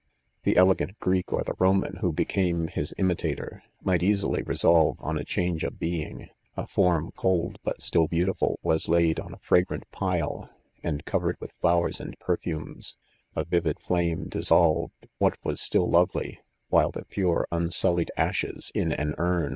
' The elegant Greek,. or the Remap who became his im itator, might easily resolve on a change of being: a form cold, but still beautiful, was laid on a fragrant pile, aad covered with flowers and perfumes ; a vivid flame dissol ved what was still lovely ; while the pure unsullied ashes, in an urn.